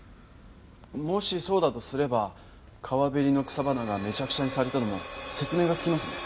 もしそうだとすれば川べりの草花がめちゃくちゃにされたのも説明がつきますね。